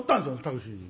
タクシーに。